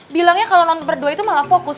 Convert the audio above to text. bilangnya kalau nonton berdua itu malah fokus